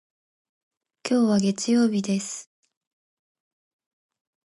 今日は月曜日です。